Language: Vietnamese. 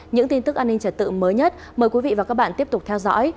những tin tức an ninh trật tự mới nhất mời quý vị và các bạn tiếp tục theo dõi